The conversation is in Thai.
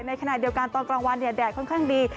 ในขณะเดียวกันตอนกลางวันแดดค่อนข้างดี